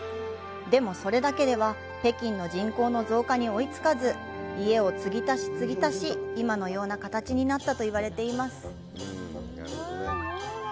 でも、それだけでは北京の人口の増加に追い付かず、家をつぎ足しつぎ足し、今のような形になったと言われています。